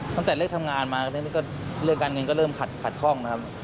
ตั้งแต่เลิกทำงานมาเรื่องการเงินก็เริ่มขัดข้องนะครับ